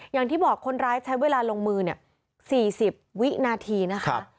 อย่างที่บอกคนร้ายใช้เวลาลงมือสี่สิบวิฆ์นาทีครับ